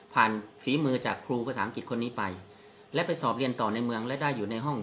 ฝีมือจากครูภาษาอังกฤษคนนี้ไปและไปสอบเรียนต่อในเมืองและได้อยู่ในห้อง